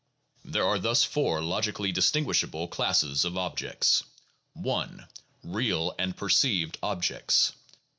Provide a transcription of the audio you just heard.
There are thus four logically distinguishable classes of objects: (1) Real and perceived objects.